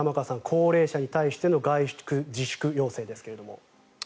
高齢者に対しての外出自粛要請ですが。